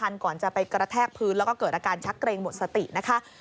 ก่อนจะไปกระแทกพื้นแล้วก็เกิดอาการชักเกรงหมดสตินะคะ